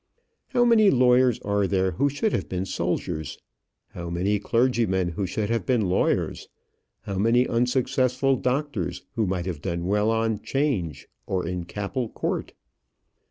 How many lawyers are there who should have been soldiers! how many clergymen who should have been lawyers! how many unsuccessful doctors who might have done well on 'Change, or in Capel Court!